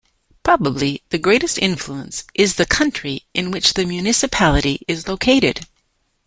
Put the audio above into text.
Probably the greatest influence is the country in which the municipality is located.